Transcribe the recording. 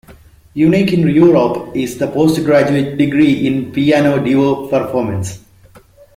Unique in Europe is the postgraduate degree in piano duo performance.